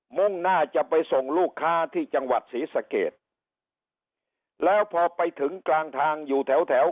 มุ่งหน้าจะไปส่งลูกค้าที่จังหวัดศรีสะเกดแล้วพอไปถึงกลางทางอยู่แถวแถว